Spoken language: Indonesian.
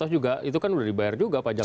ya itu kan sudah dibayar juga pajaknya